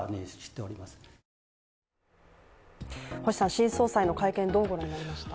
新総裁の会見、どうご覧になりました？